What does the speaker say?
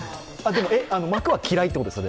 膜は嫌いということですか？